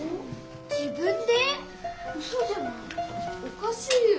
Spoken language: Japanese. おかしいよ！